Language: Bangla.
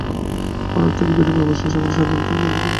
অনেক ত্যাগের বিনিময়ে অবশেষে আমরা স্বাধীনতা অর্জন করেছি।